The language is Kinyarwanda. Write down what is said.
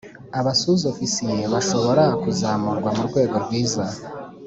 Abasuzofisiye bashobora kuzamurwa mu rwego rwiza